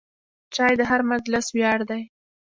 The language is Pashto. چای د هر مجلس ویاړ دی.